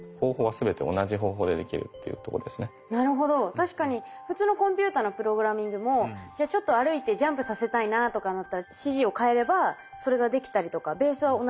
確かに普通のコンピューターのプログラミングもじゃあちょっと歩いてジャンプさせたいなとかになったら指示を変えればそれができたりとかベースは同じでできますもんね。